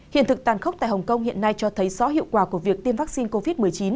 hiện thực tàn khốc tại hồng kông hiện nay cho thấy rõ hiệu quả của việc tiêm vaccine covid một mươi chín